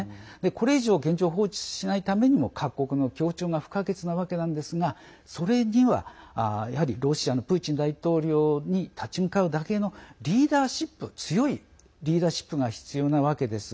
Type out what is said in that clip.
これ以上現状、放置しないためにも各国の協調が不可欠なわけなんですがそれには、やはりロシアのプーチン大統領に立ち向かうだけの強いリーダーシップが必要なわけです。